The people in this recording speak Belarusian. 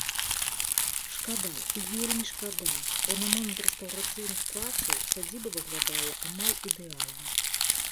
Шкада і вельмі шкада, бо на момант рэстаўрацыйных працаў сядзіба выглядала амаль ідэальна.